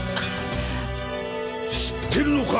知ってるのか！？